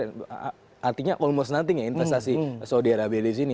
artinya almost nothing ya investasi saudi arabia di sini